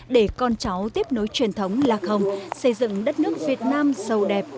để con cháu tiếp nối truyền thống lạc hồng xây dựng đất nước việt nam sâu đẹp